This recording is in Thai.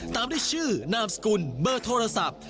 ตามด้วยชื่อนามสกุลเบอร์โทรศัพท์